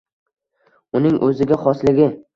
Uning o‘ziga xosligi